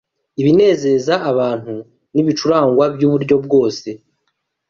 ibinezeza abantu n’ibicurangwa by’uburyo bwose